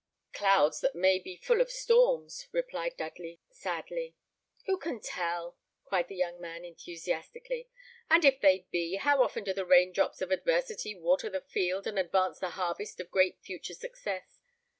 "Clouds that may be full of storms," replied Dudley, sadly. "Who can tell?" cried the young man, enthusiastically; "and if they be, how often do the rain drops of adversity water the field, and advance the harvest of great future success.